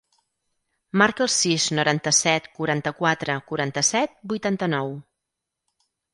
Marca el sis, noranta-set, quaranta-quatre, quaranta-set, vuitanta-nou.